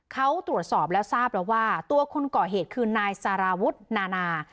เขาตรวจสอบแล้วทราบแล้วว่าตัวคนก่อเหตุคือนายสารวุฒินานา